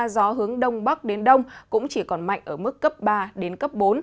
gió hướng đông bắc đến đông cũng chỉ còn mạnh ở mức cấp ba bốn